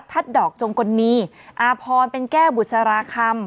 ทัศน์ดอกจงกรณีอาพรเป็นแก้บุษราคำ